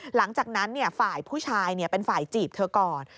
หลังจากนั้นฝ่ายผู้ชายเป็นฝ่ายจีบเธอก่อน